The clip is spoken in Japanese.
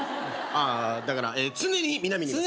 ああだから常に南にいます。